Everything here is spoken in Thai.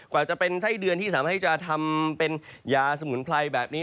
กว่าจะเป็นไส้เดือนที่สามารถที่จะทำเป็นยาสมุนไพรแบบนี้